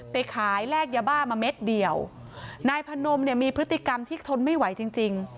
ไปขายแลกยาบ้ามาเม็ดเดียวนายพนมเนี่ยมีพฤติกรรมที่ทนไม่ไหวจริงจริง